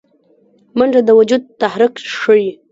منډه د وجود تحرک ښيي